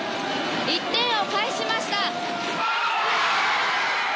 １点を返しました。